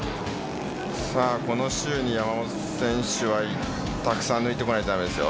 さぁこの周に山本選手はたくさん抜いてこないとダメですよ。